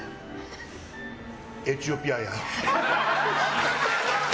エチオピアや！